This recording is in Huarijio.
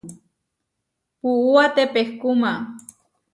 Puúa tepehkúma.